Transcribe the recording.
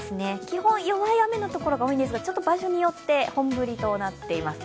基本弱い雨のところが多いんですが、場所によって本降りとなっています。